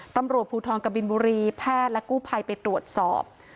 ตำรวจภูทรกบินบุรีแพทย์และกู้ภัยไปตรวจสอบ